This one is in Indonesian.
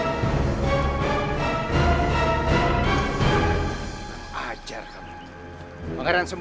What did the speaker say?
iya ada seseorang yang tahu